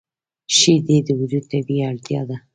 شیدې د وجود طبیعي اړتیا ده